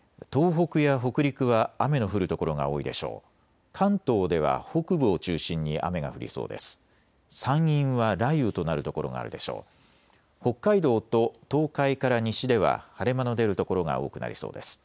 北海道と東海から西では晴れ間の出る所が多くなりそうです。